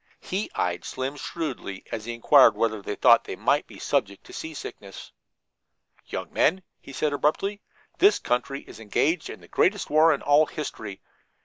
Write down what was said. He eyed Slim shrewdly as he inquired whether they thought they might be subject to seasickness. "Young men," he said abruptly, "this country is engaged in the greatest war in all history.